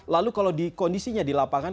lalu kalau di kondisinya di lapangan